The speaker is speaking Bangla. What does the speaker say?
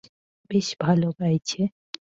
বেশ ভালো গাইছে।